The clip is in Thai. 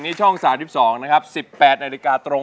กล้องร้องให้ล้าน